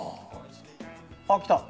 あっ来た。